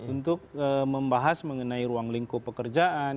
untuk membahas mengenai ruang lingkup pekerjaan